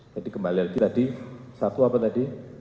jadi kembali lagi tadi satu apa tadi